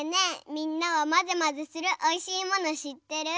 みんなはまぜまぜするおいしいものしってる？